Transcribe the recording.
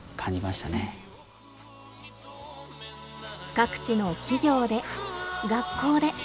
各地の企業で学校で。